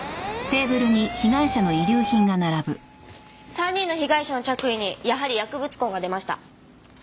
３人の被害者の着衣にやはり薬物痕が出ました。